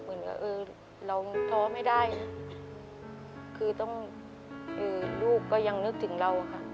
เออเราท้อไม่ได้คือต้องลูกก็ยังนึกถึงเราค่ะ